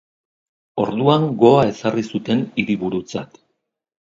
Orduan Goa ezarri zuten hiriburutzat.